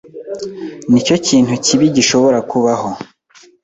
Nicyo kintu kibi gishobora kubaho.